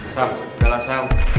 sang udah lah sang